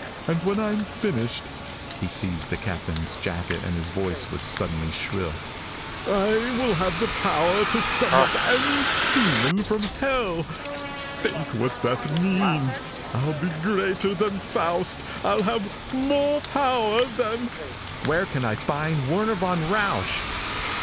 And when I'm finished " He seized the captain's jacket and his voice was suddenly shrill. " I'll have the power to summon up any demon from hell. Think what that means! I'll be greater than Faust. I'll have more power than " "Where can I find Werner von Rausch?"